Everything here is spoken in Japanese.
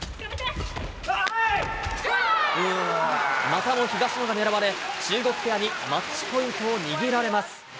またも東野が狙われ、中国ペアにマッチポイントを握られます。